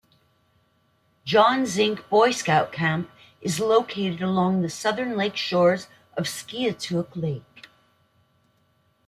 John Zink Boy Scout camp is located along the southern shores of Skiatook Lake.